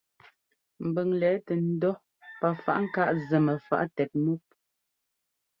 Mbʉŋ lɛɛ tɛ ńdɔ́ pafaꞌŋkáꞌ zɛ mɛfaꞌ tɛt mɔ́p.